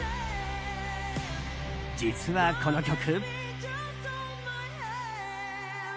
実は、この曲。